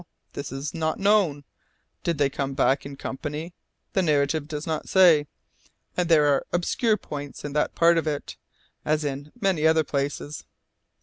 This is not known. Did they come back in company? The narrative does not say, and there are obscure points in that part of it, as in many other places.